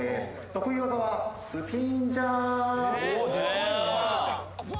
得意技はスピンジャンプ。